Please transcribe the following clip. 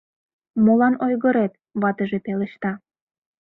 — Молан ойгырет? — ватыже пелешта.